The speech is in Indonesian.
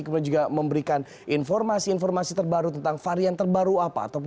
kemudian juga memberikan informasi informasi terbaru tentang varian terbaru apa